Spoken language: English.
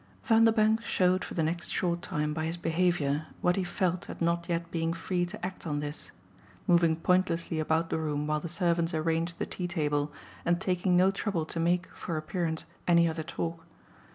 Vanderbank showed for the next short time by his behaviour what he felt at not yet being free to act on this; moving pointlessly about the room while the servants arranged the tea table and taking no trouble to make, for appearance, any other talk.